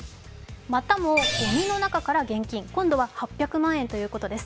またもごみの中から現金、今度は８００万円ということです。